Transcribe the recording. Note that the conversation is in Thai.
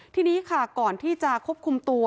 ทีนี้ค่ะก่อนที่จะควบคุมตัว